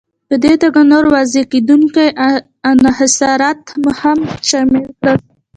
په دې توګه نور وضع کېدونکي انحصارات هم شامل کړل.